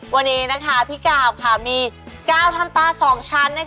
วันนี้นะคะพี่ก้าวค่ะมีก้าวทำตาสองชั้นนะคะ